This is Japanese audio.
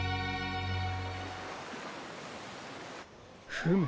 フム。